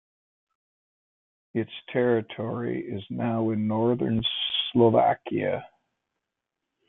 Its territory is now in northern Slovakia.